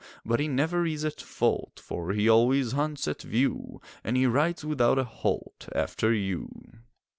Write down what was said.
But he never is at fault, For he always hunts at view And he rides without a halt After you.